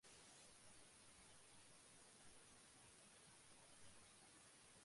প্রধান শিক্ষিকা Anne Hodges চাইছিলেন শিক্ষার্থীরা যেন ছবি তোলার সময় হাসিমুখে থাকে।